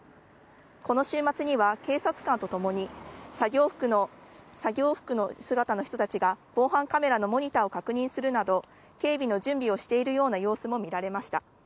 この週末には警察官とともに作業服の姿の人たちが防犯カメラのモニターを確認するなど警備の準備をしてるような様子も見られました。